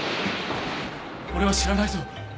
俺は知らないぞ。